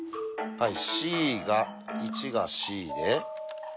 はい。